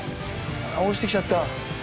落ちてきちゃった。